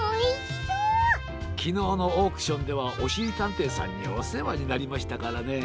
きのうのオークションではおしりたんていさんにおせわになりましたからね。